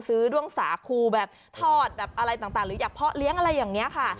ด้วงสาคูแบบทอดแบบอะไรต่างหรืออยากเพาะเลี้ยงอะไรอย่างนี้ค่ะ